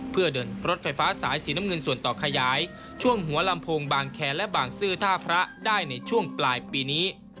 เพื่อเดินรถไฟฟ้าสายสีน้ำเงินส่วนต่อขยายช่วงหัวลำโพงบางแคร์และบางซื่อท่าพระได้ในช่วงปลายปีนี้